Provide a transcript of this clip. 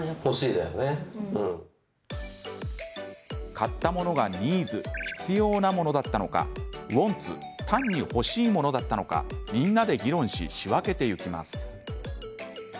買ったものがニーズ必要なものだったのかウォンツ単に欲しいものだったのかみんなで議論し仕分けていきます。